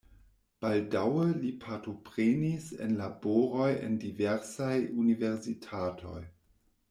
Baldaŭe li partoprenis en laboroj en diversaj universitatoj.